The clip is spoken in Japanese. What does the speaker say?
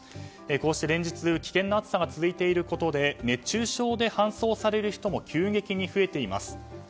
連日、危険な暑さが続いていることで熱中症で搬送される人も急激に増えています。